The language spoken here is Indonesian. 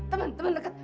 teman teman dekat